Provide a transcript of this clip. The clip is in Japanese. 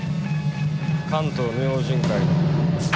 関東明神会の渡だ。